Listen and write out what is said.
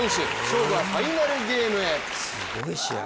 勝負はファイナルゲームへ。